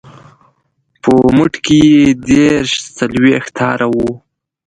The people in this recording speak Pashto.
په مټ کې یې دېرش څلویښت تاره وه.